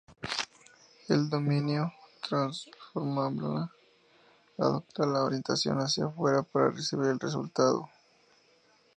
El dominio transmembrana adopta la orientación hacia afuera para recibir el sustrato.